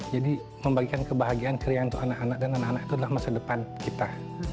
jadi membagikan kebahagiaan keriaan untuk anak anak dan anak anak itu adalah masa depan kita